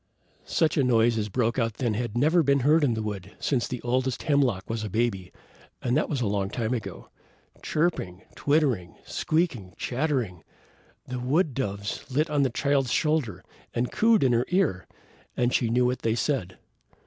Such a noise as broke out then had never been heard in the wood since the oldest hemlock was a baby, and that was a long time ago. Chirping, twittering, squeaking, chattering! The wood doves lit on the Child's shoulder and cooed in her ear, and she knew just what they said.